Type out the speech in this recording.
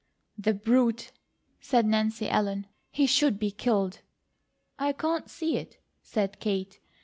"The brute!" said Nancy Ellen. "He should be killed." "I can't see it," said Kate.